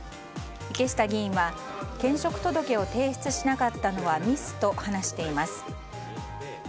池下議員は兼職届を提出しなかったのはミスと話しています。